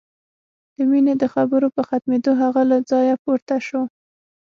د مينې د خبرو په ختمېدو هغه له ځايه پورته شو.